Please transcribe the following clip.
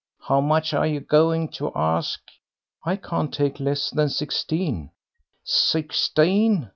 How much are you going to ask?" "I can't take less than sixteen." "Sixteen!